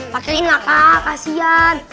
pakain lah kak kasihan